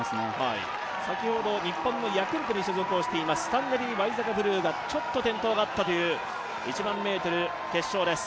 先ほど、日本のヤクルトに所属しているスタンネリー・ワイザカ・ブルーがちょっと転倒があったという１００００ｍ決勝です。